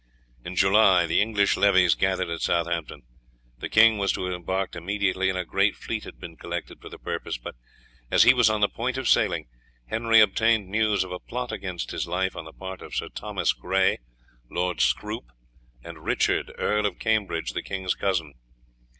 In July the English levies gathered at Southampton. The king was to have embarked immediately, and a great fleet had been collected for the purpose; but, as he was on the point of sailing, Henry obtained news of a plot against his life on the part of Sir Thomas Grey, Lord Scroop, and Richard, Earl of Cambridge, the king's cousin.